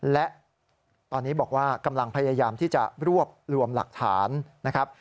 และตอนนี้บอกว่ากำลังพยายามที่จะรวบรวมหลักฐานนะครับ